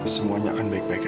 semuanya akan baik baik